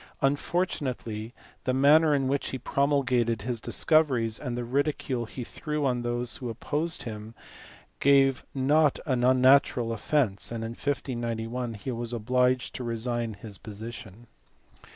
Unfortunately the manner in which he pro mulgated his discoveries and the ridicule he threw on those who opposed him gave not unnatural offence, and in 1591 he was obliged to resign his position.